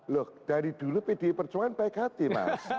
loh dari dulu pdi perjuangan baik hati mas